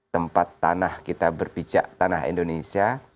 tempat tanah kita berpijak tanah indonesia